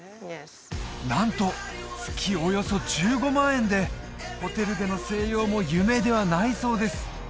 なんと月およそ１５万円でホテルでの静養も夢ではないそうです